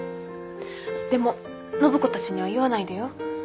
でも暢子たちには言わないでよ。